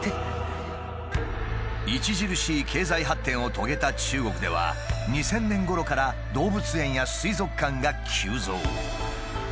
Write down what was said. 著しい経済発展を遂げた中国では２０００年ごろから動物園や水族館が急増。